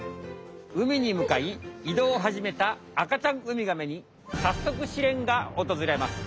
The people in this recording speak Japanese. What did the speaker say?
「海にむかい移動をはじめた赤ちゃんウミガメにさっそく試練がおとずれます」。